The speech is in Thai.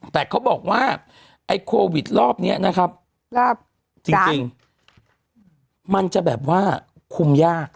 แต่เขาบอกว่าไอโควิดเริ่มรอบรอบจริงจริงมันจะแบบว่าคุมยาก